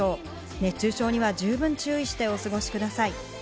熱中症には十分注意してお過ごしください。